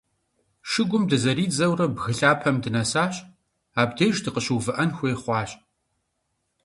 Шыгум дызэридзэурэ, бгы лъапэм дынэсащ, абдеж дыкъыщыувыӏэн хуей хъуащ.